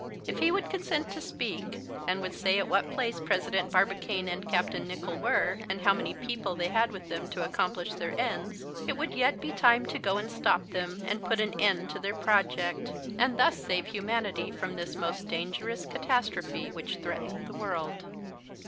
If he would consent to speak, and would say at what place President Barbicane and Capt. Nicholl were, and how many people they had with them to accomplish their ends, it would yet be time to go and stop them and put an end to their project, and thus save humanity from this most dangerous catastrophe which threatened the world.